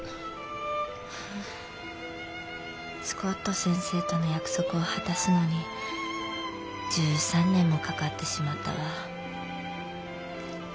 スコット先生との約束を果たすのに１３年もかかってしまったわ。